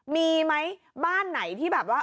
มีไหมบ้านไหนที่แบบว่า